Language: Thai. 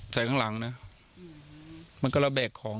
ใส่ข้างหลังก็ละแบกของ